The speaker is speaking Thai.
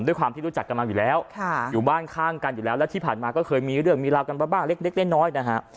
ด้วยความที่รู้จักกันมาอยู่แล้วอยู่บ้านข้างกันอยู่แล้วแล้วที่ผ่านมาก็เคยมีเรื่องมีราวกันมาบ้างเล็กน้อยนะฮะ